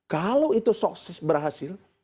kalau itu sukses berhasil